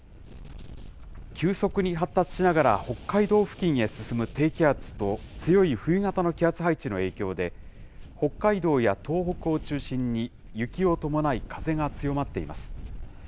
急速に発達しながら北海道付近へ進む低気圧と、強い冬型の気圧配置の影響で、北海道や東北を中心に、雪を伴い風が強まっています。